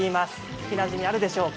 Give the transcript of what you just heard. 聞きなじみあるでしょうか。